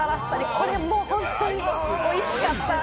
これもう本当においしかった！